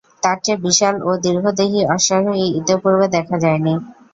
তার চেয়ে বিশাল ও দীর্ঘদেহী অশ্বারোহী ইতিপূর্বে দেখা যায়নি।